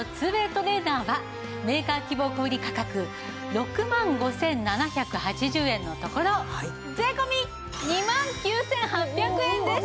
ＷＡＹトレーナーはメーカー希望小売価格６万５７８０円のところ税込２万９８００円です！